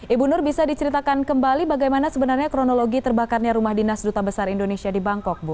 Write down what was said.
ibu nur bisa diceritakan kembali bagaimana sebenarnya kronologi terbakarnya rumah dinas duta besar indonesia di bangkok bu